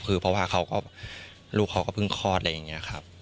คือเพราะว่าลูกเขาก็เพิ่งคลอด